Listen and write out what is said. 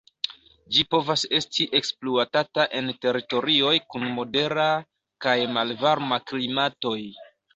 Ĝi povas esti ekspluatata en teritorioj kun modera kaj malvarma klimatoj.